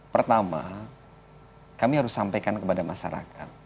pertama kami harus sampaikan kepada masyarakat